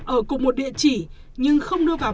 ở cùng một địa chỉ nhưng không đưa vào